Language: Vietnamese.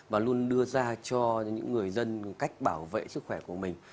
và luôn đưa ra cho những người dân cách bảo vệ sức khỏe của mình